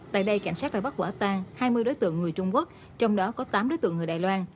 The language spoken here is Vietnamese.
tại đây cảnh sát đã bắt quả tan hai mươi đối tượng người trung quốc trong đó có tám đối tượng người đài loan